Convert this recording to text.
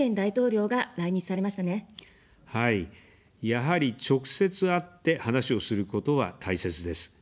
やはり、直接会って話をすることは大切です。